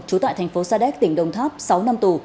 chú tại thành phố sadek tỉnh đồng tháp sáu năm tù